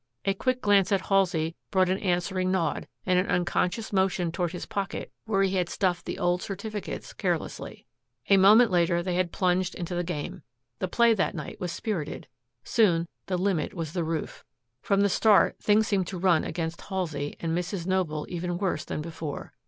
A quick glance at Halsey brought an answering nod and an unconscious motion toward his pocket where he had stuffed the old certificates carelessly. A moment later they had plunged into the game. The play that night was spirited. Soon the limit was the roof. From the start things seemed to run against Halsey and Mrs. Noble even worse than before.